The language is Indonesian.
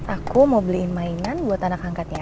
aku mau beliin mainan buat anak angkatnya